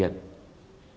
điện thoại thái nguyên